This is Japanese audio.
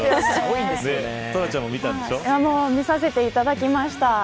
見させていただきました。